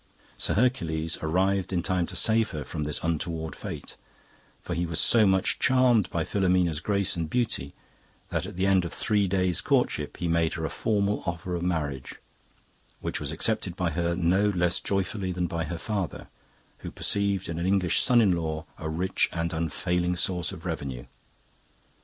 Sir Hercules arrived in time to save her from this untoward fate, for he was so much charmed by Filomena's grace and beauty, that at the end of three days' courtship he made her a formal offer of marriage, which was accepted by her no less joyfully than by her father, who perceived in an English son in law a rich and unfailing source of revenue.